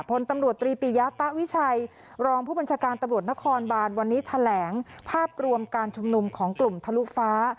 พลตำรวจตรีปิยะตะวิชัยรองผู้บัญชาการตำรวจนครบานวันนี้แถลงภาพรวมการชุมนุมของกลุ่มทะลุฟ้า